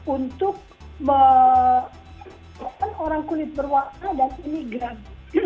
untuk menemukan orang kulit berwarna dan imigran